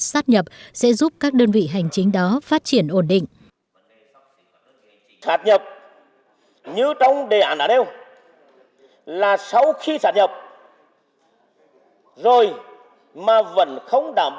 sát nhập sẽ giúp các đơn vị hành chính đó phát triển ổn định